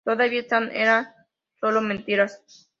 Todavía estas eran sólo mentiras.